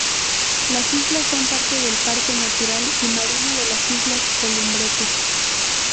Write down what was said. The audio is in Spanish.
Las islas son parte del parque natural y marino de las islas Columbretes.